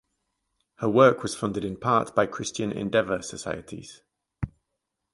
Her work was funded in part by Christian Endeavor societies.